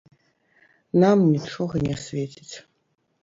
Нам нічога не свеціць.